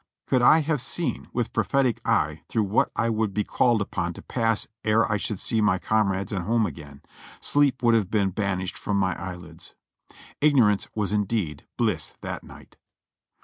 Could I have seen with prophetic eye through what I would be called upon to pass ere I should see comrades and home again, sleep would have been banished from my eyelids. Ignorance was indeed bliss that night.